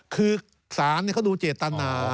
คือสารนี่เขาดูเจตนา